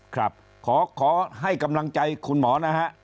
ขอให้กำลังใจคุณหมอนะฮะ